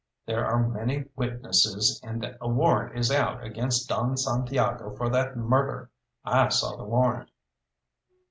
There are many witnesses, and a warrant is out against Don Santiago for that murder. I saw the warrant."